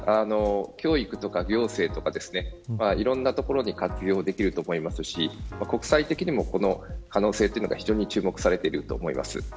教育とか行政とかいろんなところに活用できると思いますし国際的にも可能性が非常に注目されていると思います。